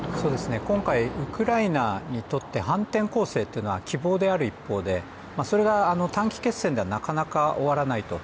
今回、ウクライナにとって反転攻勢というのは希望である一方で、それが短期決戦ではなかなか終わらないと。